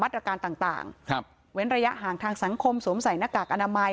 ตรการต่างต่างครับเว้นระยะห่างทางสังคมสวมใส่หน้ากากอนามัย